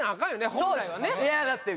本来はね